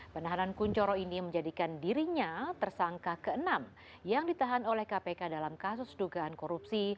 penahanan kuncoro ini menjadikan dirinya tersangka ke enam yang ditahan oleh kpk dalam kasus dugaan korupsi